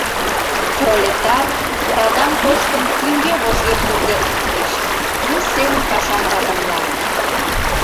Пролетар радам тоштым тӱҥге-вожге пургед луктеш, у семын пашам радамла.